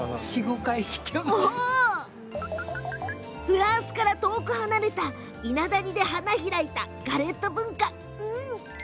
フランスから遠く離れた伊那谷で花開いたガレット文化。